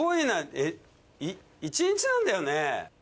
えっ１日なんだよね？